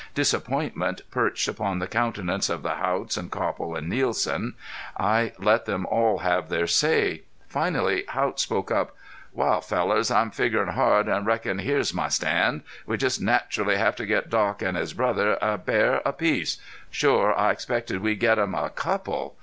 Disappointment perched upon the countenances of the Haughts and Copple and Nielsen. I let them all have their say. Finally Haught spoke up: "Wal, fellars, I'm figgerin' hard an' I reckon here's my stand. We jest naturally have to get Doc an' his brother a bear apiece. Shore I expected we'd get 'em a couple.